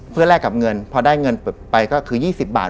เพื่อลากกับเงินได้เงินเรื่อยคือ๒๐๔๐บาท